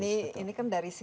nah ini kan dari situ